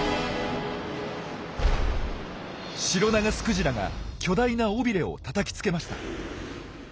シロナガスクジラが巨大な尾びれをたたきつけました。